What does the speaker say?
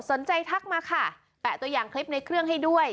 ทักมาค่ะแปะตัวอย่างคลิปในเครื่องให้ด้วย